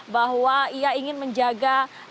bahwa ia ingin menjaga